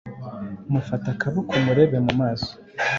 Mufate akaboko umurebe mumaso